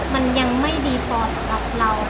มันยังไม่ดีเนิ่งเป็นรวมสำหรับเรา